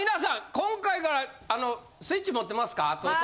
今回からスイッチ持ってますか？